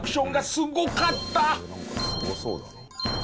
すごそうだな。